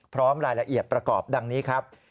พร้อมรายละเอียดประกอบดังนี้ครับ